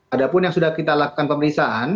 ada pun yang sudah kita lakukan pemeriksaan